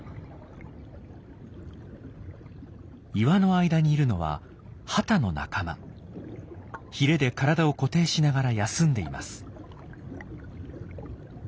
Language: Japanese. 岩の間にいるのはヒレで体を固定しながら休んでいます。